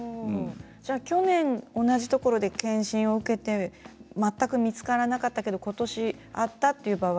去年同じところで検診を受けて全く見つからなかったけどことしあったという場合